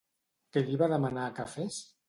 Què li va demanar que fes?